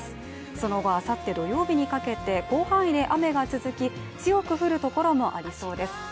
その後、あさって土曜日にかけて広範囲で雨が続き、強く降るところもありそうです。